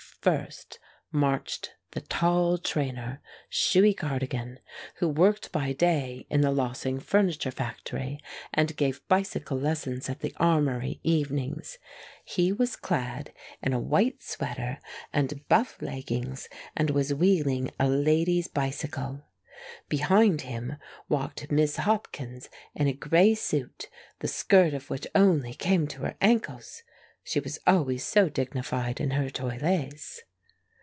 First marched the tall trainer, Shuey Cardigan, who worked by day in the Lossing furniture factory, and gave bicycle lessons at the armory evenings. He was clad in a white sweater and buff leggings, and was wheeling a lady's bicycle. Behind him walked Miss Hopkins in a gray suit, the skirt of which only came to her ankles she always so dignified in her toilets.